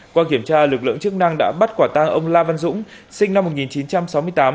qua kiểm tra lực lượng chức năng đã bắt quả tang ông la văn dũng sinh năm một nghìn chín trăm sáu mươi tám